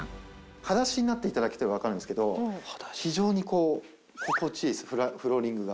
はだしになっていただくと分かるんですけど、非常にこう、心地いいです、フローリングが。